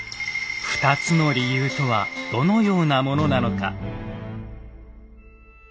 ２つの理由とはどのようなものなのか。